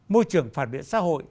môi trường phản biện xã hội